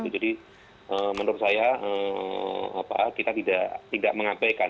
jadi menurut saya kita tidak mengabaikan